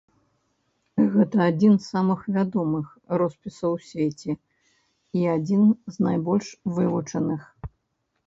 Гэта адзін з самых вядомых роспісаў у свеце, і адзін з найбольш вывучаных.